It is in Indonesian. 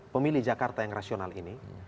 pemilih jakarta yang rasional ini